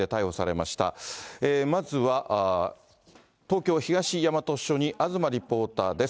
まずは、東京・東大和署に東リポーターです。